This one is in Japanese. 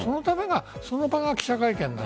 その場が記者会見。